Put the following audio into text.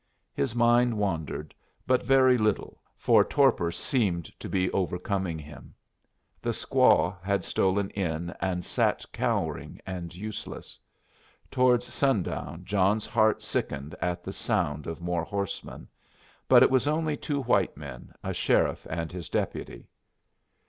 His mind wandered, but very little, for torpor seemed to be overcoming him. The squaw had stolen in, and sat cowering and useless. Towards sundown John's heart sickened at the sound of more horsemen; but it was only two white men, a sheriff and his deputy.